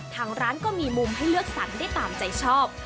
ทางร้านก็มีมุมให้เลือกสรรได้ตามใจชอบ